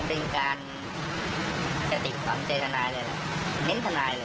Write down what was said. เอ้าเคยมาสอน